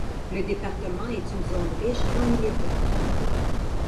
Le département est une zone riche en minéraux.